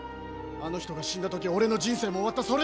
あの人が死んだ時俺の人生も終わった。